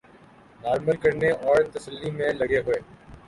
normal کرنے اور تسلی میں لگے ہوئے